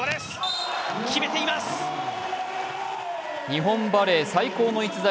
日本バレー最高の逸材・